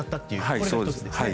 これが１つですね。